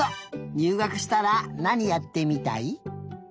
にゅうがくしたらなにやってみたい？